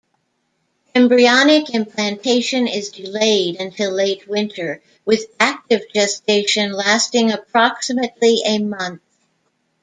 Embryonic implantation is delayed until late winter, with active gestation lasting approximately a month.